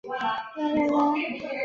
云南浪穹人。